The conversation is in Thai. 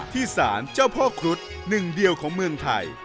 ที่สารเจ้าพ่อครุฑหนึ่งเดียวของเมืองไทย